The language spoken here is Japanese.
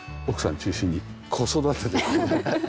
奥さん中心に子育てで。